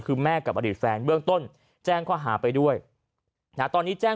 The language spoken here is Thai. คือแม่กับอดีตแฟนเบื้องต้นแจ้งข้อหาไปด้วยนะตอนนี้แจ้ง